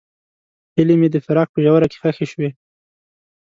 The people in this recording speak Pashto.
هیلې مې د فراق په ژوره کې ښخې شوې.